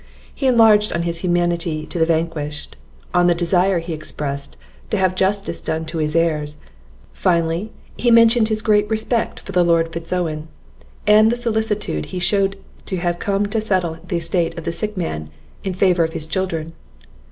He enlarged on his humanity to the vanquished, on the desire he expressed to have justice done to his heirs; finally, he mentioned his great respect for the Lord Fitz Owen, and the solicitude he shewed to have him come to settle the estate of the sick man in favour of his children.